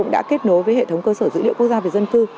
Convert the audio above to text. đã kết nối với hệ thống cơ sở dữ liệu quốc gia về dân cư